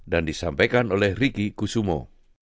dan disampaikan oleh ricky kusumo